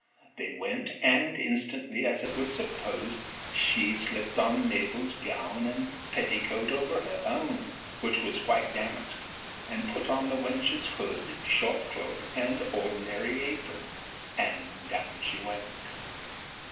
'They went; and instantly, as it is supposed, she slipt on Mabell's gown and petticoat over her own, which was white damask, and put on the wench's hood, short cloak, and ordinary apron, and down she went.